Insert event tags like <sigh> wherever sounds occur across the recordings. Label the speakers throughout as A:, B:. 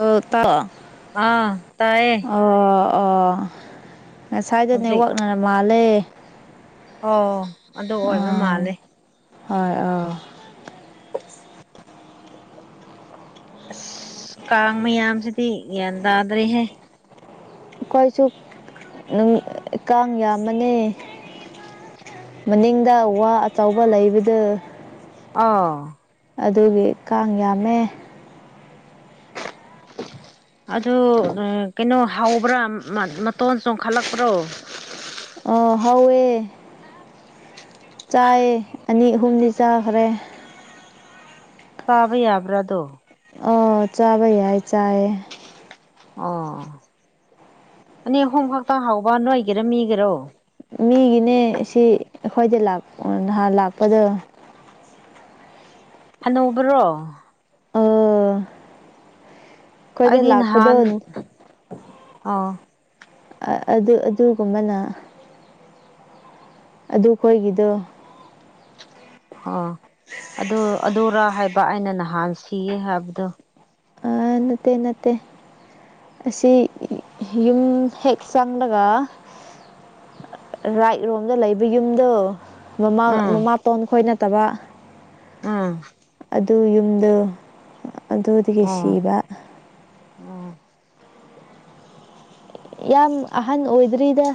A: ꯍꯧ ꯇ
B: ꯑꯥ ꯇꯑꯌꯦ
A: ꯑꯣ ꯑꯣ
B: ꯍꯧꯖꯤꯛ
A: ꯉꯁꯥꯏꯗꯅꯦꯋꯥꯛꯅꯔ ꯃꯥꯢꯜꯂꯦ
B: ꯑꯣ ꯑꯗꯨ ꯑꯣꯏꯕ
A: ꯑꯥ
B: ꯃꯥꯜꯂꯦ
A: ꯍꯣꯏ ꯑꯥ
B: ꯑꯁ ꯀꯥꯡ ꯃꯌꯥꯝꯁꯤꯗꯤ ꯭ꯌꯥꯟ ꯇꯥꯗ꯭ꯔꯦꯍꯦ
A: ꯑꯩꯈꯣꯏꯁꯨ ꯀꯥꯡ ꯌꯥꯝꯃꯅꯦ ꯃꯅꯤꯡꯗ ꯋꯥ ꯑꯆꯕ ꯂꯩꯕꯗꯨ
B: ꯑꯥ
A: ꯑꯗꯨꯒꯤ ꯀꯥꯡ ꯌꯥꯝꯃꯦ
B: ꯑꯗꯨ ꯀꯩꯅꯣ ꯍꯧꯕ꯭ꯔꯥ ꯃ ꯃꯇꯣꯟ ꯆꯣꯡꯈꯠꯂꯛꯄ꯭ꯔꯣ
A: ꯑ‌ꯣ ꯍꯧꯋꯦ ꯆꯥꯏꯌ‌ꯦ ꯑꯅꯤ ꯑꯍꯨꯝꯗꯤ ꯆꯥꯈꯔꯦ
B: ꯆꯥꯕ ꯌꯥꯕ꯭ꯔꯥ ꯗꯨ
A: ꯑ‌ꯣ ꯆꯥꯕ ꯌꯥꯏ ꯆꯥꯏ
B: ꯑꯣ ꯑꯅꯤ ꯑꯍꯨꯝ ꯈꯛꯇ ꯍꯥꯎꯕ ꯅꯣꯏꯒꯤꯔꯥ ꯃꯤꯒꯤꯔꯣ
A: ꯃꯤꯒꯤꯅꯦ ꯁꯤ ꯑꯩꯈꯣꯏꯗ ꯂꯥꯛ ꯅꯍꯥꯟ ꯂꯥꯛꯄꯗꯣ
B: ꯍꯅꯨꯕꯔ‌ꯣ
A: ꯑꯣ ꯑꯩꯈꯣꯏꯗ
B: ꯑꯩꯗꯤ
A: ꯂꯥꯛꯄꯗꯣ
B: ꯅꯍꯥꯟ ꯑꯣ
A: ꯑꯗꯨ ꯑꯗꯨꯒꯨꯝꯕꯅ ꯑꯗꯨ ꯈꯣꯏꯒꯤꯗꯣ
B: ꯑꯣ ꯑꯗꯨ ꯑꯗꯨꯔꯥ ꯍꯥꯏꯕ ꯑꯩꯅ ꯅꯍꯥꯟ ꯁꯤꯌꯦ ꯍꯥꯏꯕꯗꯣ
A: ꯑ ꯅꯠꯇꯦ ꯅꯠꯇꯦ ꯑꯁꯤ ꯌꯨꯝ ꯍꯦꯛ ꯆꯪꯂꯒ ꯔꯥꯏꯠ ꯔꯣꯝꯗ ꯂꯩꯕ ꯌꯨꯝꯗꯣ ꯃꯃꯥ
B: ꯎꯝ
A: ꯃꯃꯥꯇꯣꯟ ꯈꯣꯏ ꯅꯠꯇꯕ
B: ꯑꯥ
A: ꯑꯗꯨ ꯌꯨꯝꯗ‌ꯣ ꯑꯗꯨꯗꯒꯤ ꯁꯤꯕ
B: ꯑ
A: ꯌꯥꯝ ꯑꯍꯟ ꯑꯣꯏꯗ꯭ꯔꯤꯗ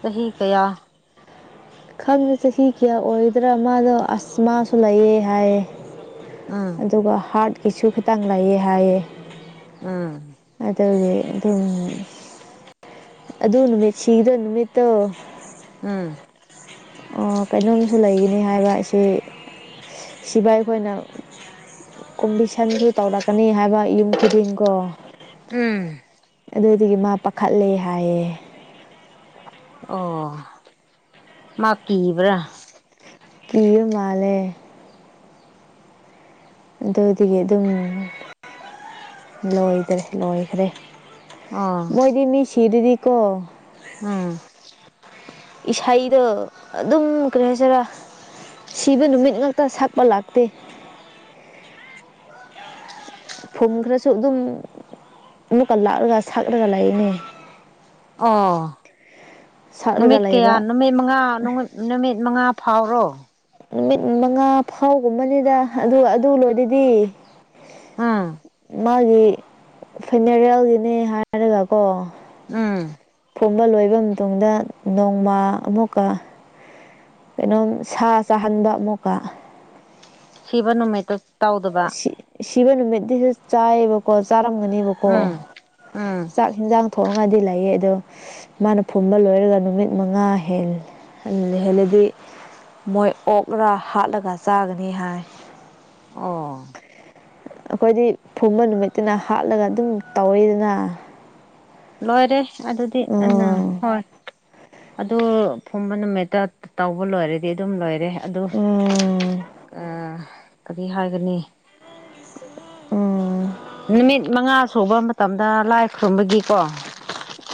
B: ꯆꯍꯤ ꯀꯌꯥ
A: ꯈꯪꯗꯦ ꯆꯍꯤ ꯀꯌꯥ ꯑꯣꯏꯗ꯭ꯔꯥ ꯃꯥꯗꯣ ꯑꯁ ꯃꯥꯁꯨ ꯂꯩꯌꯦ ꯍꯥꯏꯌꯦ
B: ꯎꯝ
A: ꯑꯗꯨꯒ ꯍꯥꯔꯠꯀꯤꯁꯨ ꯈꯤꯇꯪ ꯂꯩꯌ‌ꯦ ꯍꯥꯏꯌꯦ
B: ꯑꯥ
A: ꯑꯗꯨꯒꯤ ꯑꯗꯨꯝ ꯑꯗꯨ ꯅꯨꯃꯤꯠ ꯁꯤꯕ ꯅꯨꯃꯤꯠꯇꯣ
B: ꯎꯝ
A: ꯑꯥ ꯀꯩꯅꯣꯒꯤꯁꯨ ꯂꯩꯒꯅꯤ ꯍꯥꯏꯕ ꯁꯤ ꯁꯤꯕ ꯑꯩꯈꯣꯏꯅ ꯀꯣꯝꯕꯤꯁꯟꯁꯨ ꯇꯧꯔꯛꯀꯅꯤ ꯍꯥꯏꯕ ꯌꯨꯝ ꯈꯨꯗꯤꯡꯀꯣ
B: ꯎꯝ
A: ꯑꯗꯨꯗꯨꯒꯤ ꯃꯥ ꯄꯥꯈꯠꯂꯦ ꯍꯥꯏꯌꯦ
B: ꯑꯣ ꯃꯥ ꯀꯤꯕ꯭ꯔꯥ
A: ꯀꯤꯕ ꯃꯥꯜꯂꯦ ꯑꯗꯨꯗꯤ ꯑꯗꯨꯝ ꯂꯣꯏꯗꯔꯦ ꯂꯣꯏꯈ꯭ꯔꯦ
B: ꯑꯣ
A: ꯃꯣꯏꯗꯤ ꯃꯤ ꯁꯤꯗ꯭ꯔꯗꯤ ꯀꯣ
B: ꯎꯝ
A: ꯏꯁꯩꯗꯣ ꯑꯗꯨꯝ ꯀꯔꯤ ꯍꯥꯏꯁꯤꯔꯥ ꯁꯤꯕ ꯅꯨꯃꯤꯠ ꯉꯥꯛꯇ ꯁꯛꯄ ꯂꯥꯛꯇꯦ ꯐꯨꯝ ꯈꯔꯁꯨ ꯑꯗꯨꯝ ꯑꯃꯨꯛꯀ ꯂꯥꯛꯂꯒ ꯁꯛꯂꯒ ꯂꯩꯥꯌ‌ꯦꯅꯦ
B: ꯑꯣ
A: ꯁꯛꯂꯒ
B: ꯅꯨꯃꯤꯠ
A: ꯂꯩꯕ
B: ꯀꯌꯥꯅ ꯅꯨꯃꯤꯠ ꯃꯉꯥ ꯅꯨꯃꯤꯠ ꯅꯨꯃꯤꯠ ꯃꯉꯥ ꯐꯥꯎꯔꯣ
A: ꯅꯨꯃꯤꯠ ꯃꯉꯥ ꯐꯥꯎꯒꯨꯝꯕꯅꯤꯗ ꯑꯗꯨ ꯑꯗꯨ ꯂꯣꯏꯔꯗꯤ
B: ꯎꯝ
A: ꯃꯥꯒꯤ ꯐꯤꯅꯦꯔꯦꯜꯒꯤꯅꯦ ꯍꯥꯏꯔꯒꯀꯣ
B: ꯎꯝ
A: ꯐꯨꯝꯕ ꯂꯣꯏꯕ ꯃꯇꯨꯡꯗ ꯅꯣꯡꯃ ꯑꯃꯨꯛꯀ ꯀꯩꯅꯣꯝ ꯁꯥ ꯆꯥꯍꯟꯕ ꯑꯃꯨꯛꯀ
B: ꯁꯤꯕ ꯅꯨꯃꯤꯠꯇꯨ ꯇꯧꯗꯕ
A: ꯁꯤ ꯁꯤꯕ ꯅꯨꯃꯤꯠꯗꯤꯁꯨ ꯆꯥꯏꯌꯦꯕꯀꯣ ꯆꯥꯔꯝꯒꯅꯦꯕꯀꯣ
B: ꯎꯝ ꯎꯝ
A: ꯆꯥꯛ ꯌꯦꯟꯖꯥꯡ ꯊꯣꯡꯔꯒꯗꯤ ꯂꯩꯌ‌ꯦ ꯑꯗꯣ ꯃꯥꯅ ꯐꯨꯝꯕ ꯂꯣꯏꯔꯒ ꯅꯨꯃꯤꯠ ꯃꯉꯥ ꯍ‌ꯦꯜ ꯍꯦ ꯂꯩꯍꯜꯂꯗꯤ ꯃꯣꯏ ꯑꯣꯛꯂ ꯍꯥꯠꯂꯒ ꯆꯥꯒꯅꯤ ꯍꯥꯏ
B: ꯑꯣ
A: ꯑꯩꯈꯣꯏꯗꯤ ꯐꯨꯝꯕ ꯅꯨꯃꯤꯠꯇꯅ ꯍꯥꯠꯂꯒ ꯑꯗꯨꯝ ꯇꯧꯋꯤꯗꯅ
B: ꯂꯣꯏꯔꯦ ꯑꯗꯨꯗꯤ ꯑ
A: ꯎꯝ
B: ꯍꯣꯏ ꯑꯗꯨ ꯐꯨꯝꯕ ꯅꯨꯃꯤꯠꯇ ꯇꯧꯕ ꯂꯣꯏꯔꯦ ꯗꯤ ꯑꯗꯨꯝ ꯂꯣꯏꯔꯦ ꯑꯗꯨ
A: ꯎꯝ
B: ꯀꯔꯤ ꯍꯥꯏꯒꯅꯤ
A: ꯎꯝ
B: ꯅꯨꯃꯤꯠ ꯃꯉꯥ ꯁꯨꯕ ꯃꯇꯝꯗ ꯂꯥꯏ ꯈꯨꯔꯨꯝꯕꯒꯤꯀꯣ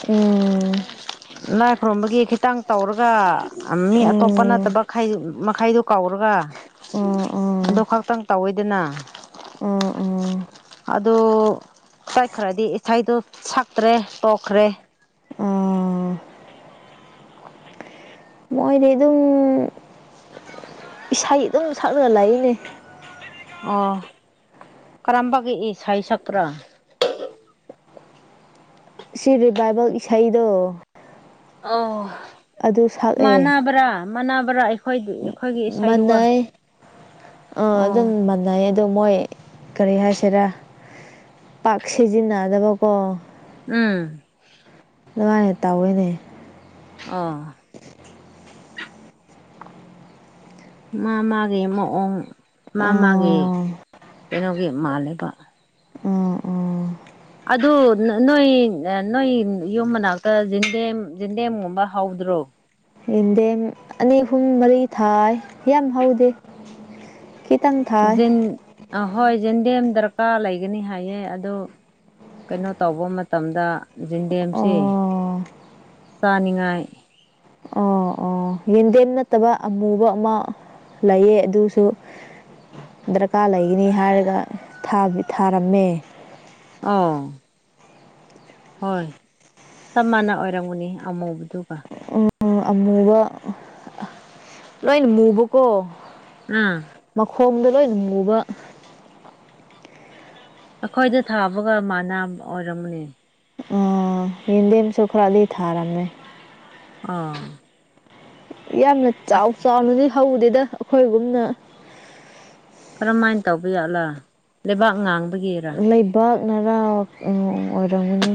A: ꯎꯝ
B: ꯂꯥꯏ ꯈꯨꯔꯨꯝꯕꯒꯤ ꯈꯤꯇꯪ ꯇꯧꯔꯒ ꯃꯤ ꯑꯇꯣꯞꯄ
A: ꯎꯝ
B: ꯅꯠꯇꯕ ꯃꯈꯗꯨ ꯃꯈꯥꯏꯗꯨꯣ ꯀꯧꯔꯒ
A: ꯎꯝ ꯎꯝ
B: ꯑꯗꯨ ꯈꯛꯇꯪ ꯇꯧꯋꯏꯗꯅ
A: ꯎꯝ ꯎꯝ
B: ꯑꯗꯨ ꯆꯛꯈ꯭ꯔꯗꯤ ꯏꯁꯩꯗꯣ ꯁꯛꯇ꯭ꯔꯦ ꯇꯣꯛꯈ꯭ꯔꯦ
A: ꯑꯥ ꯃꯣꯏꯗꯤ ꯑꯗꯨꯝ ꯏꯁꯩ ꯑꯗꯨꯝ ꯁꯛꯂꯒ ꯂꯥꯛꯏꯅꯦ
B: ꯑꯣ ꯀꯔꯝꯕꯒꯏ ꯁꯥꯏ ꯁꯛꯄ꯭ꯔꯣ
A: ꯁꯤ ꯔꯤ ꯕꯥꯏꯕꯜ ꯏꯁꯩꯗꯣ
B: ꯑꯣ
A: ꯑꯗꯨ ꯁꯛꯑꯦ
B: ꯃꯕ꯭ꯔꯥ ꯃꯅꯥꯕ꯭ꯔꯥ ꯑꯩ
A: ꯃꯥꯟꯅꯩ ꯑ ꯑꯗꯨꯝ
B: ꯑꯣ
A: ꯃꯥꯟꯅꯩ ꯑꯗꯣ ꯃꯣꯏ ꯀꯔꯤ ꯍꯥꯏꯁꯤꯔꯥ ꯄꯥꯛ ꯁꯤꯖꯤꯟꯅꯗꯕꯀꯣ
B: ꯎꯝ
A: ꯅꯨꯡꯉꯥꯏꯅꯦ ꯇꯧꯋꯦꯅꯦ
B: ꯑꯥ ꯃꯥ ꯃꯥꯒꯤ ꯃꯑꯣꯡ ꯃꯥ ꯃꯥꯒꯤ
A: ꯑꯥ
B: ꯀꯩꯅꯣꯒꯤ ꯃꯥꯜꯂꯤꯕ
A: ꯑꯥ ꯑꯥ
B: ꯑꯗꯨ ꯅꯣꯏ ꯅꯣꯏ ꯌꯨꯝ ꯃꯅꯥꯛꯇ ꯟꯗꯦꯝ ꯟꯗꯦꯝꯒꯨꯝꯕ ꯍꯧꯗ꯭ꯔꯣ
A: ꯏꯟꯗ ꯑꯅꯤ ꯑꯍꯨꯝ ꯃꯔꯤ ꯊꯥꯏ ꯌꯥꯝ ꯍꯧꯗꯦ ꯈꯤꯇꯪ ꯊꯥꯏ
B: ꯑ ꯍꯣꯏ ꯦꯟꯗꯦꯝ ꯗꯔꯀꯥꯔ ꯂꯩꯒꯅꯤ ꯍꯥꯏꯌꯦ ꯑꯣ ꯀꯩꯅꯣ ꯇꯧꯕ ꯃꯇꯝꯗ ꯟꯗꯦꯝꯁ
A: ꯑꯣ
B: ꯆꯥꯅꯤꯡꯉꯥꯏ
A: ꯑꯣ ꯑꯣ ꯌꯦꯟꯗꯦꯝ ꯅꯠꯇꯕ ꯑꯃꯨꯕ ꯑꯃ ꯂꯩꯌꯦ ꯑꯗꯨꯁꯨ ꯗꯔꯀꯥꯔ ꯂꯩꯒꯅꯤ ꯍꯥꯏꯔꯒ ꯊꯥꯔꯝꯃꯦ
B: ꯑꯥ ꯍꯣꯏ ꯆꯞ ꯃꯅ ꯑꯣꯏꯔꯝꯒꯨꯅꯤ ꯑꯃꯧꯕꯗꯨꯒ
A: ꯎ ꯑꯃꯨꯕ ꯂꯣꯏꯅ ꯃꯨꯕꯀꯣ
B: ꯎꯝ
A: ꯃꯈꯣꯡꯗ ꯂꯣꯏꯅ ꯃꯨꯕ
B: ꯑꯩꯈꯣꯏꯗ ꯊꯥꯕꯒ ꯃꯅ ꯑꯣꯏꯔꯝꯃꯅꯦ
A: ꯑ ꯍꯗꯦꯝ ꯑꯃꯁꯁꯨ ꯈꯔꯗꯤ ꯊꯥꯔꯝꯃꯦ
B: ꯑꯥ
A: ꯌꯥꯝꯅ ꯆꯥꯎ ꯆꯥꯎꯅꯗꯤ ꯍꯧꯗꯦꯗ ꯑꯩꯈꯣꯏꯒꯨꯝꯅ
B: ꯀꯔꯝꯍꯥꯏꯅ ꯇꯧꯕ ꯌꯥꯠꯂꯥ ꯂꯩꯕꯥꯛ ꯉꯥꯡꯕꯒꯤ
A: ꯂꯩꯕꯥꯛꯅꯔꯥꯡ ꯑꯣꯏꯔꯝꯒꯅꯤ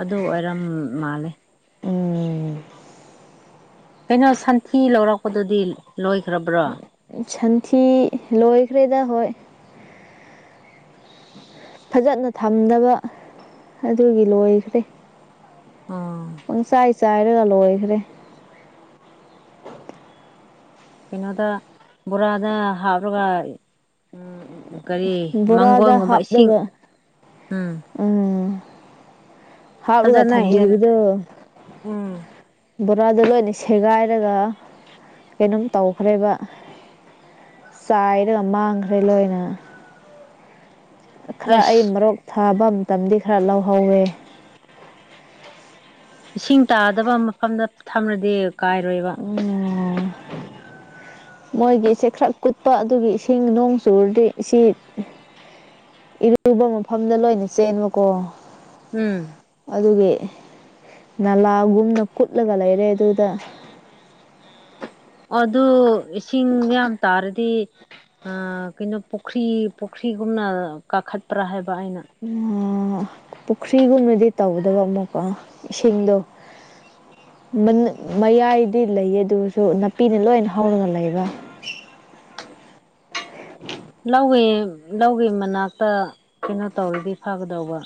B: ꯑꯗꯨ ꯑꯣꯏꯔꯝ ꯃꯥꯜꯂꯦ
A: ꯎꯝ
B: ꯀꯩꯅꯣ ꯁꯟꯊꯤ ꯂꯧꯔꯛꯄꯗꯨꯗꯤ ꯂꯣꯏꯈ꯭ꯔꯕ꯭ꯔꯣ
A: ꯁꯟꯊꯤ ꯂꯣꯏꯈ꯭ꯔꯦꯗ ꯍꯣꯏ ꯐꯖꯅ ꯊꯝꯗꯕ ꯑꯗꯨꯒꯤ ꯂꯣꯏꯈ꯭ꯔꯦ
B: ꯑꯥ
A: ꯍ ꯆꯥꯏ ꯆꯥꯏꯔꯒ ꯂꯣꯏꯈꯔꯦ
B: ꯀꯩꯅꯣꯗ ꯕꯣꯔꯥꯗ ꯍꯥꯞꯂꯒ ꯀꯔꯤ
A: ꯕꯣꯔꯥꯗ
B: ꯃꯥꯡꯒꯣꯟꯒꯨꯝꯕ ꯏꯁꯤꯡ
A: ꯍꯥꯞꯂꯒ
B: ꯎꯝ
A: ꯎꯝ ꯍꯥꯞꯂꯒ
B: ꯐꯖꯅ ꯌꯦꯟ
A: ꯊꯝꯕꯤꯕꯗꯣ
B: ꯎꯝ
A: ꯕꯣꯔꯥꯗ ꯂꯣꯏꯅ ꯁꯦꯒꯥꯏꯔꯒ ꯀꯩꯅꯣꯝ ꯇꯧꯈ꯭ꯔꯦꯕ ꯆꯥꯏꯔꯒ ꯃꯥꯡꯈ꯭ꯔꯦ ꯂꯣꯏꯅ ꯈꯔ ꯑꯩ
B: ꯑꯁ
A: ꯃꯣꯔꯣꯛꯛ ꯊꯥꯕ ꯃꯇꯝꯗꯤ ꯈꯔ ꯂꯧꯍꯧꯋꯦ
B: ꯏꯁꯤꯡ ꯇꯥꯗꯕ ꯃꯐꯝꯗ ꯊꯝꯂꯗꯤ ꯀꯥꯏꯔꯣꯏꯕ
A: ꯃꯣꯏꯒꯤꯁꯦ ꯈꯔ ꯀꯨꯠꯄ ꯑꯗꯨꯒꯤ ꯏꯁꯤꯡ ꯅꯣꯡ ꯆꯨꯔꯗꯤ ꯁꯤ ꯏꯔꯨꯕ ꯃꯐꯝꯗ ꯂꯣꯏꯅ ꯆꯦꯟꯕꯀꯣ
B: ꯎꯝ
A: ꯑꯗꯨꯒꯤ ꯅꯂꯥꯒꯨꯝꯅ ꯀꯨꯠꯂꯒ ꯂꯩꯔꯦ ꯑꯗꯨꯗ
B: ꯑꯗꯨ ꯏꯁꯤꯡ ꯌꯥꯝ ꯇꯥꯔꯗꯤ ꯑ ꯀꯩꯅꯣ ꯄꯨꯈ꯭ꯔꯤ ꯄꯨꯈ꯭ꯔꯤꯒꯨꯝꯅ ꯀꯈꯠꯄ꯭ꯔꯥ ꯍꯥꯏꯕ ꯑꯩꯅ
A: ꯄꯨꯈ꯭ꯔꯤꯒꯨꯝꯅꯗꯤ ꯇꯧꯗꯕ ꯑꯃꯨꯛꯀ ꯏꯁꯤꯡꯗꯣ <unintelligible> ꯃꯌꯥꯏꯗꯤ ꯂꯩꯌꯦ ꯑꯗꯨꯁꯨ ꯅꯥꯄꯤꯅ ꯂꯣꯏ ꯍꯧꯔꯒ ꯂꯩꯕ ꯍ
B: ꯂꯧꯒꯤ ꯂꯧꯒꯤ ꯃꯅꯥꯛꯇ ꯀꯩꯅꯣ ꯇꯧꯔꯗꯤ ꯐꯒꯗꯧꯕ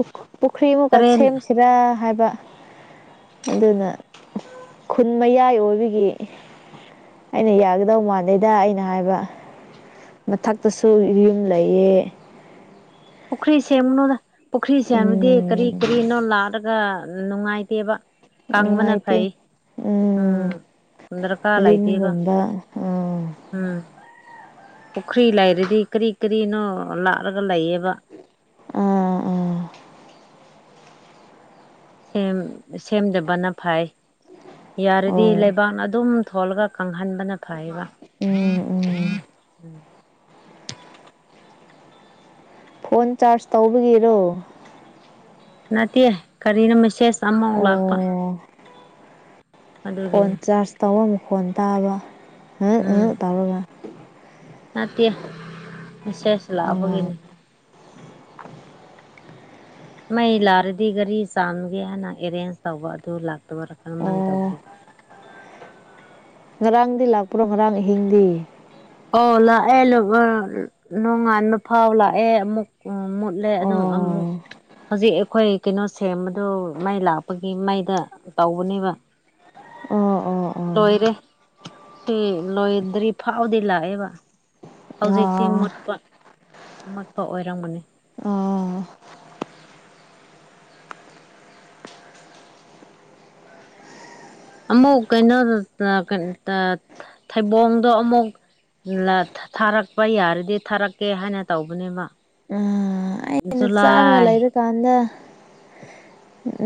A: ꯎ ꯄꯨꯈ꯭ꯔꯤꯃꯨꯛꯀ
B: ꯇꯔꯦꯟ
A: ꯁꯦꯝꯁꯤꯔꯥ ꯍꯥꯏꯕ ꯑꯗꯨꯅ ꯈꯨꯟ ꯃꯌꯥꯏ ꯑꯣꯏꯕꯒꯤ ꯑꯩꯅ ꯌꯥꯒꯗꯧ ꯃꯥꯟꯗꯦꯗ ꯑꯩꯅ ꯍꯥꯏꯕ ꯃꯊꯛꯇꯁꯨ ꯌꯨꯝ ꯂꯩꯌꯦ
B: ꯄꯨꯈ꯭ꯔꯤ ꯁꯦꯝꯒꯅꯣꯗ ꯄꯨꯈ꯭ꯔꯤ ꯁꯦꯝꯕꯗꯤ ꯀꯔꯤ
A: ꯎꯝ
B: ꯀꯔꯤꯅꯣ ꯂꯥꯛꯂꯒ ꯅꯨꯡꯉꯥꯏꯇꯦꯕ ꯀꯪꯕꯅ ꯐꯩ ꯎꯝ ꯗꯔꯀꯥꯔ ꯂꯩꯇꯦꯕ
A: ꯂꯤꯟꯒꯨꯝꯕ ꯎꯝ
B: ꯎꯝ ꯄꯨꯈ꯭ꯔꯤ ꯂꯩꯔꯗꯤ ꯀꯔꯤ ꯀꯔꯤꯅꯣ ꯂꯥꯥꯛꯂꯒ ꯂꯩꯌꯦꯕ
A: ꯎꯝ ꯎꯝ
B: ꯁꯦꯝꯗꯕꯅ ꯐꯩ ꯌꯥꯔꯗꯤ
A: ꯍꯣꯏ
B: ꯂꯩꯕꯥꯛꯅ ꯑꯗꯨꯝ ꯊꯣꯜꯂꯒ ꯀꯪꯍꯟꯕꯅ ꯐꯩꯌꯦꯕ
A: ꯎꯝ ꯎꯝ ꯐꯣꯟ ꯆꯥꯔꯖ ꯇꯧꯕꯒꯤꯔꯣ
B: ꯅꯠꯇꯦ ꯀꯔꯤꯅ ꯃꯦꯁꯦꯖ ꯑꯃꯃꯨꯛ
A: ꯑꯣ
B: ꯂꯥꯛꯄ
A: ꯐꯣꯟ
B: ꯑꯗꯨꯒꯤꯅꯤ
A: ꯆꯥꯔꯖ ꯇꯧꯕ ꯃꯈꯣꯟ ꯇꯥꯕ
B: ꯎꯝ
A: <unintelligible> ꯇꯧꯔꯒ
B: ꯅꯠꯇꯦ ꯃꯦꯁꯦꯖ ꯂꯥꯛꯄꯒꯤꯅꯦ
A: <unintelligible>
B: ꯃꯩ ꯂꯥꯛꯔꯗꯤ ꯒꯥꯔꯤ ꯆꯥꯝꯒꯦ ꯍꯥꯏꯅ ꯑꯦꯔꯦꯟꯖ ꯇꯧꯕ ꯑꯗꯨ ꯂꯥꯛꯇꯕꯔꯥ ꯀꯔꯝꯍꯥꯏꯅ
A: ꯑꯣ
B: ꯇꯧꯕ꯭ꯔꯦ
A: ꯉꯔꯥꯡꯗꯤ ꯂꯥꯛꯄ꯭ꯔꯣ ꯉꯔꯥꯡ ꯑꯍꯤꯡꯗꯤ
B: ꯑꯣ ꯂꯥꯛꯑꯦ ꯅꯣꯡꯉꯥꯟꯕ ꯐꯥꯎ ꯂꯥꯛꯑꯦ ꯑꯃꯨꯛ ꯎ ꯃꯨꯠꯂꯦ ꯑꯣ ꯑꯃꯨꯛ ꯍꯧꯖꯤꯛ ꯑꯩꯈꯣꯏ ꯀꯩꯅꯣ ꯁꯦꯝꯕꯗꯣ ꯃꯥꯏ ꯂꯥꯛꯄꯒꯤ ꯃꯥꯏꯗ ꯇꯧꯕꯅꯦꯕ
A: ꯎꯝ ꯎꯝ
B: ꯂꯣꯏꯔꯦ ꯎ ꯂꯣꯏꯗ꯭ꯔꯤ ꯐꯥꯎꯗꯤ ꯂꯥꯛꯑꯦꯕ ꯍꯧꯖꯤꯛꯁꯤ
A: ꯑꯣ
B: ꯃꯨꯠꯄ ꯃꯨꯠꯄ ꯑꯣꯏꯔꯝꯒꯅꯤ
A: ꯑꯥ
B: ꯑꯃꯨꯛ ꯀꯩꯅꯣꯗ <unintelligible> ꯊꯩꯕꯣꯡꯗꯣ ꯑꯃꯨꯛ ꯊꯥꯔꯛꯄ ꯌꯥꯔꯗꯤ ꯊꯥꯔꯛꯀꯦ ꯍꯥꯏꯅ ꯇꯧꯕꯅꯦꯕ
A: ꯑꯩꯅ ꯆꯥꯔꯒ
B: ꯖꯨꯂꯥꯏ
A: ꯂꯩꯕ ꯀꯥꯟꯗ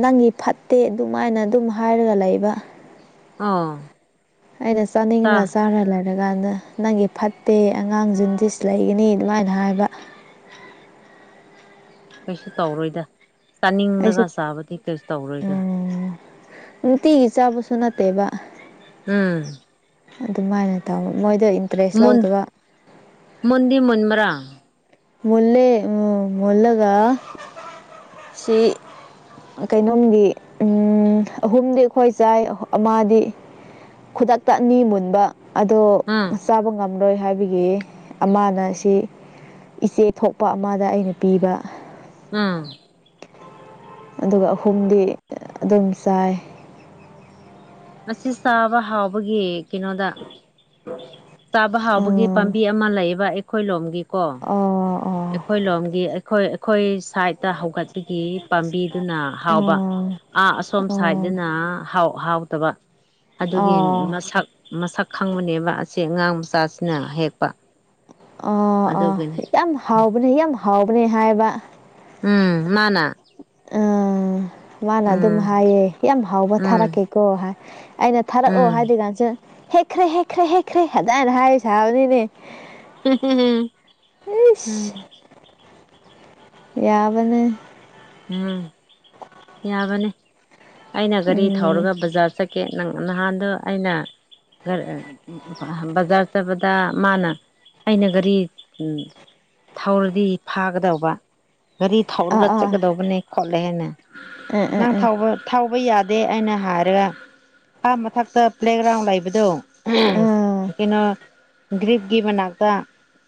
A: ꯅꯪꯒꯤ ꯐꯠꯇꯦ ꯑꯗꯨꯃꯥꯏꯅ ꯑꯗꯨꯝ ꯍꯥꯏꯔꯒ ꯂꯩꯕ
B: ꯑꯥ
A: ꯑꯩꯅ ꯆꯥꯅꯤꯡꯉꯒ ꯆꯥꯔ ꯂꯩꯔꯦ ꯀꯔꯀꯥꯟꯗ ꯅꯪꯒꯤ ꯐꯠꯇꯦ ꯑꯉꯥꯡꯖꯤꯡꯗꯤ ꯂꯩꯒꯅꯤ ꯑꯗꯨꯃꯥꯏꯅ ꯍꯥꯏꯕ
B: ꯀꯩꯁꯨ ꯇꯧꯔꯣꯏꯗ ꯆꯥꯅꯤꯡꯂꯒ
A: ꯑꯩꯁꯨ
B: ꯆꯥꯕꯗꯤ ꯀꯩꯁꯨ ꯇꯧꯔꯣꯏꯗ
A: ꯎꯝ ꯅꯨꯡꯇꯤꯒꯤ ꯆꯕꯁꯨ ꯅꯠꯇꯦꯕ
B: ꯎꯝ
A: ꯑꯗꯨꯃꯥꯏꯅ ꯇꯧꯋꯦ ꯃꯣꯏꯗ ꯏꯟꯇꯔꯦꯁ
B: ꯃꯨꯟ
A: ꯂꯧꯗꯕ
B: ꯃꯨꯟꯗꯤ ꯃꯨꯟꯕ꯭ꯔꯥ
A: ꯃꯨꯟꯂꯦ ꯎꯝ ꯃꯨꯟꯂꯒ ꯁꯤ ꯀꯩꯅꯣꯝꯗꯤ ꯎꯝ ꯑꯍꯨꯝꯗꯤ ꯑꯈꯣꯏ ꯆꯥꯏ ꯑꯃꯗꯤ ꯈꯨꯗꯛꯇ ꯑꯅꯤ ꯃꯨꯟꯕ ꯑꯗꯣ
B: ꯎꯝ
A: ꯆꯥꯕ ꯉꯝꯂꯣꯏ ꯍꯥꯏꯕꯒꯤ ꯑꯃꯅ ꯁꯤ ꯏꯆꯦ ꯊꯣꯛꯄ ꯑꯃꯗ ꯑꯩꯅ ꯄꯤꯕ
B: ꯎꯝ
A: ꯑꯗꯨꯒ ꯑꯍꯨꯝꯗꯤ ꯑꯗꯨꯝ ꯆꯥꯏ
B: ꯑꯁꯤ ꯆꯥꯕ ꯍꯥꯎꯕꯒꯤ ꯀꯩꯅꯣꯗ ꯆꯥꯕ ꯍꯥꯎꯕꯒꯤ
A: ꯑꯥ
B: ꯄꯥꯝꯕꯤ ꯑꯃ ꯂꯩꯌꯦꯕ ꯑꯩꯈꯣꯏ ꯂꯣꯝꯒꯤꯀꯣ
A: ꯑꯥ ꯑꯥ
B: ꯑꯩꯈꯣꯏ ꯂꯣꯝꯒꯤ ꯑꯩꯈꯣꯏ ꯑꯩꯈꯣꯏ ꯁꯥꯏꯠꯇ ꯍꯧꯒꯠꯄꯒꯤ ꯄꯥꯝꯕꯤꯗꯨꯅ
A: ꯑꯥ
B: ꯍꯥꯎꯕ ꯥꯥꯥꯑꯥ ꯑꯁꯣꯝ
A: ꯑꯥ
B: ꯁꯥꯏꯗꯅ ꯍꯥꯎ ꯍꯥꯎꯇꯕ ꯑꯗꯨꯒꯤ
A: ꯑꯥ
B: ꯃꯁꯛ ꯃꯁꯛ ꯈꯪꯕꯅꯦꯕ ꯑꯁꯤ ꯑꯉꯥꯡ ꯃꯆꯥꯁꯤꯅ ꯍꯦꯛꯄ
A: ꯑ ꯑꯣ
B: ꯑꯗꯨꯒꯤꯅꯦ
A: ꯌꯥꯝ ꯍꯥꯎꯕꯅꯦ ꯌꯥꯝ ꯍꯥꯎꯕꯅꯦ ꯍꯥꯏꯕ
B: ꯎꯝ ꯃꯥꯅꯥ
A: ꯑꯥ ꯃꯥꯅ
B: ꯎꯝ
A: ꯑꯗꯨꯝ ꯍꯥꯏꯌꯦ ꯌꯥꯝ ꯍꯥꯎꯕ
B: ꯎꯝ
A: ꯊꯥꯔꯛꯀꯦꯀꯣ ꯍꯥꯏ ꯑꯩꯅ ꯊꯥꯔꯛꯑꯣ
B: ꯎꯝ
A: ꯍꯥꯏꯗꯤ ꯀꯥꯟꯁ ꯍꯦꯛꯈ꯭ꯔꯦ ꯍꯦꯛꯈ꯭ꯔꯦ ꯍꯦꯛꯈ꯭ꯔꯦ ꯐꯖꯅ ꯍꯥꯏ ꯁꯥꯕꯅꯤꯅꯦ
B: ꯎꯝ
A: ꯍꯤꯁ ꯌꯥꯕꯅꯦ
B: ꯎꯝ ꯌꯥꯕꯅꯤ ꯑꯩꯅ ꯒꯥꯔꯤ
A: ꯎꯝ
B: ꯊꯧꯔꯒ ꯕꯖꯥꯔ ꯆꯠ ꯀꯦ ꯅꯪ ꯅꯍꯥꯟꯗꯣ ꯑꯩꯅ ꯒ꯭ꯔ ꯕꯖꯥꯔ ꯆꯠꯄꯗ ꯃꯥꯅ ꯑꯩꯅ ꯒꯥꯔꯤ ꯎꯝ ꯊꯧꯔꯗꯤ ꯐꯥꯒꯗꯧꯕ ꯒꯥꯔꯤ
A: ꯑꯥ
B: ꯊꯧꯔꯒ
A: ꯑꯥ
B: ꯆꯠꯀꯗꯧꯕꯅꯦ ꯈꯣꯠꯂꯦ ꯍꯥꯏꯅꯦ
A: ꯑꯥ
B: ꯅꯪ
A: ꯑꯥ ꯑꯥ
B: ꯊꯧꯕ ꯊꯧꯕ ꯌꯥꯗꯦ ꯑꯩꯅ ꯍꯥꯏꯔꯒ ꯑꯥ ꯃꯊꯛꯇ ꯄ꯭ꯂꯦꯒ꯭ꯔꯥꯎꯟ ꯂꯩꯕꯗꯣ ꯎꯝ
A: ꯑꯥ
B: ꯀꯩꯅꯣ ꯒ꯭ꯔꯤꯞꯀꯤ ꯃꯅꯥꯛꯇ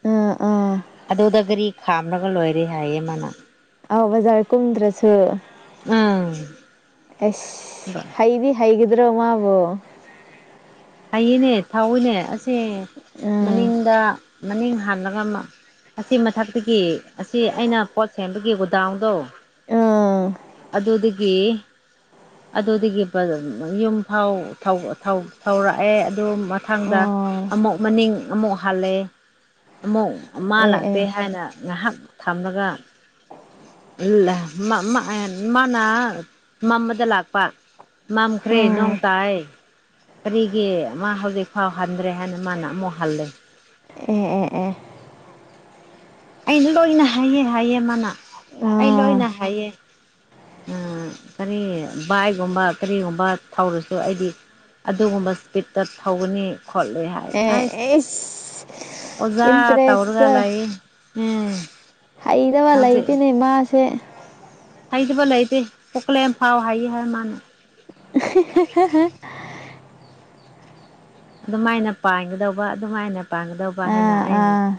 A: ꯎꯝ ꯎꯝ
B: ꯑꯗꯨꯗ ꯒꯥꯔꯤ ꯈꯥꯝꯂꯒ ꯂꯣꯏꯔꯦ ꯍꯥꯏꯌꯦ ꯃꯥꯅ
A: ꯑꯥꯎ ꯕꯖꯥꯔ ꯀꯨꯝꯗ꯭ꯔꯁꯨ
B: ꯎꯝ
A: ꯑꯩꯁ ꯍꯩꯗꯤ ꯍꯩꯒꯗ꯭ꯔꯣ ꯃꯥꯕꯣ
B: ꯍꯩꯌꯦꯅꯦ ꯊꯧꯋꯤꯅꯦ ꯑꯁꯦ
A: ꯑꯥ
B: ꯃꯅꯤꯡꯗ ꯃꯅꯤꯡ ꯍꯥꯜꯂꯒ ꯑꯃ ꯑꯁꯤ ꯃꯊꯛꯇꯒꯤ ꯑꯁꯤ ꯑꯩꯅ ꯄꯣꯠ ꯁꯦꯝꯕꯒꯤ ꯒꯣꯗꯥꯎꯟꯗꯣ
A: ꯑꯥ
B: ꯑꯗꯨꯗꯤ ꯒꯤ ꯑꯗꯨꯗꯒꯤ ꯌꯨꯝ ꯐꯥꯎ ꯊꯧ ꯊꯧ ꯊꯧꯔꯛꯑꯦ ꯑꯗꯨ ꯃꯊꯪꯗ
A: ꯑꯥ
B: ꯑꯃꯨꯛ ꯃꯅꯤꯡ ꯑꯃꯨꯛ ꯍꯜꯂꯦ ꯑꯃꯨꯛ ꯃꯥ
A: ꯑꯦ ꯑꯦ
B: ꯂꯥꯛꯇꯦ ꯍꯥꯏꯅ ꯉꯥꯏꯍꯥꯛ ꯊꯝꯂꯒ ꯍꯜꯂꯦ ꯃꯥ ꯃꯥ ꯃꯥꯅ ꯑꯃ ꯑꯃꯗ ꯂꯥꯛꯄ ꯃꯝꯈ꯭ꯔꯦ
A: ꯑꯥ
B: ꯅꯣꯡꯇꯥꯏ ꯀꯔꯤꯒꯤ ꯃꯥ ꯍꯧꯖꯤꯛꯐꯥꯎ ꯍꯟꯗ꯭ꯔꯦ ꯍꯥꯏꯅ ꯃꯥꯅ ꯑꯃꯨꯛ ꯍꯜꯂꯦ
A: ꯑꯦ ꯑꯦ ꯑꯦ
B: ꯑꯩ ꯂꯣꯏꯅ ꯍꯩꯌꯦ ꯍꯥꯏꯌꯦ ꯃꯥꯅꯥ ꯑꯩ ꯂꯣꯏꯅ
A: ꯑꯥ
B: ꯍꯥꯏꯌꯦ ꯎꯝ ꯀꯔꯤ ꯕꯥꯏꯒꯨꯝꯕ ꯀꯔꯤꯒꯨꯝꯕ ꯊꯧꯔꯁꯨ ꯑꯩꯗꯤ ꯑꯗꯨꯒꯨꯝꯕ ꯏꯁꯄꯤꯠꯇ ꯊꯧꯒꯅꯤ ꯈꯣꯠꯂꯣꯏ ꯍꯥꯏ ꯑꯩꯅ ꯑꯥꯏꯁ
A: ꯑꯦ ꯏꯁ
B: ꯑꯣꯖꯥ ꯇꯧꯔꯒ
A: ꯏꯟꯇꯔꯦꯁꯇ
B: ꯂꯩ ꯎꯝ
A: ꯍꯩꯗꯕ
B: ꯍꯧꯖꯤꯛ
A: ꯂꯩꯇꯦꯅꯦ ꯃꯥꯁꯦ
B: ꯍꯩꯇꯕ ꯂꯩꯇꯦ ꯀꯣꯛꯀꯂꯦꯝ ꯐꯥꯎ ꯍꯩꯌꯦ ꯍꯥꯏ ꯃꯥꯅ
A: <unintelligible>
B: ꯑꯗꯨꯃꯥꯏꯅ ꯄꯥꯟꯒꯗꯧꯕ ꯑꯗꯨꯃꯥꯏꯅ ꯄꯥꯟꯒꯗꯧꯕ ꯍꯥꯏꯅ
A: ꯑꯥ
B: ꯑꯩꯅ
A: ꯑꯥ